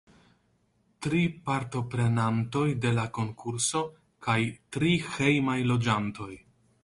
Tri partoprenantoj de la konkurso kaj tri hejmaj loĝantoj.